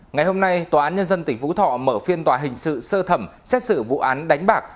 ngày hôm nay tòa án nhân dân tỉnh phú thọ mở phiên tòa hình sự sơ thẩm xét xử vụ án đánh bạc